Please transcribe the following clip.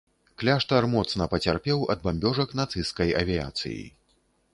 Кляштар моцна пацярпеў ад бамбёжак нацысцкай авіяцыі.